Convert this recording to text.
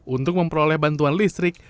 untuk memperoleh bantuan listrik